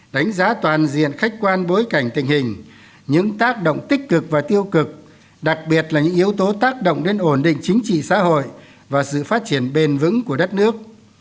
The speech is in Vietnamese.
đánh giá toàn diện khách quan bối cảnh tình hình những tác động tích cực và tiêu cực đặc biệt là những yếu tố tác động đến ổn định chính trị xã hội và sự phát triển bền vững của đất nước